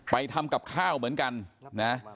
ทำกับข้าวเหมือนกันนะ